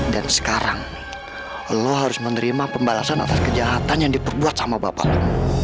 dan sekarang lo harus menerima pembalasan atas kejahatan yang diperbuat sama bapak lo